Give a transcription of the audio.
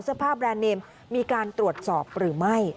เสื้อผ้าแบรนด์เนมมีการตรวจสอบหรือไม่